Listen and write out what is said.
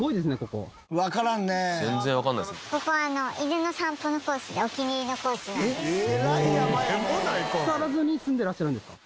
木更津に住んでらっしゃるんですか？